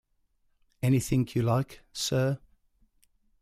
Anything you like, sir.